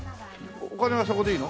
お金はそこでいいの？